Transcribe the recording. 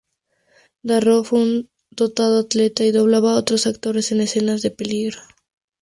Darro fue un dotado atleta y doblaba a otros actores en escenas de peligro.